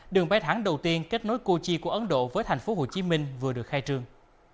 đường bay thẳng đầu tiên kết nối cochi của ấn độ với thành phố hồ chí minh vừa được khai trương